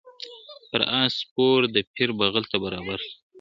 پر آس سپور د پیر بغل ته برابر سو `